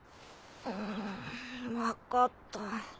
ん分かった。